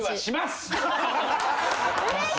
うれしい！